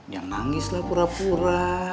yang nangis lah pura pura